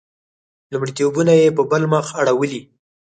لومړیتونه یې په بل مخ اړولي.